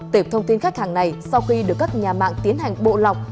tệp thông tin khách hàng này sau khi được các nhà mạng tiến hành bộ lọc